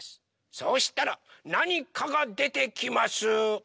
そうしたらなにかがでてきます！